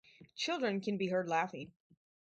Children can be heard laughing.